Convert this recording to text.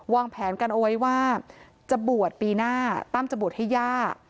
แผนกันเอาไว้ว่าจะบวชปีหน้าตั้มจะบวชให้ย่า